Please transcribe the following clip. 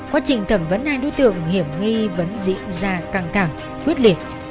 quá trình thẩm vấn hai đối tượng hiểm nghi vẫn diễn ra căng thẳng quyết liệt